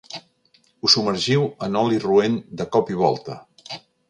Ho submergiu en oli roent de cop i volta.